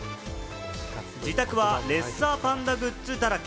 自宅はレッサーパンダグッズだらけ。